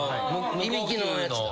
いびきのやつだ。